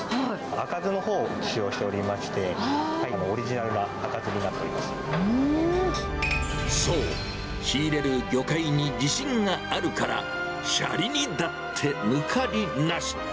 赤酢のほうを使用しておりまして、オリジナルの赤酢になっておりまそう、仕入れる魚介に自信があるから、しゃりにだって抜かりなし。